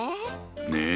ねえ。